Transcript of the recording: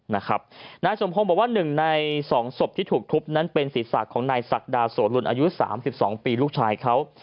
นายสมพงศ์บอกว่า๑ใน๒ศพที่ถูกทุบนั้นเป็นศีรษะของนายศักดาโสลุนอายุ๓๒ปีลูกชายเขา